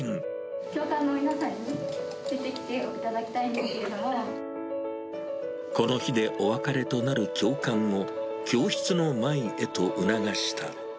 教官の皆さんに、出てきていこの日でお別れとなる教官を教室の前へと促した。